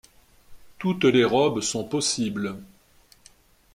Toutes les robes sont possibles.